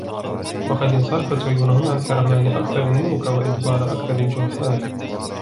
وَقَدْ انْصَرَفَتْ عُيُونُهُمْ عَنْ حِرْمَانِ أَكْثَرِ النَّوْكَى وَإِدْبَارِ أَكْثَرِ الْجُهَّالِ